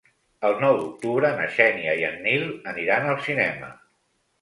El nou d'octubre na Xènia i en Nil aniran al cinema.